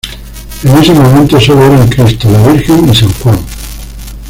En ese momento sólo eran Cristo, la Virgen y San Juan.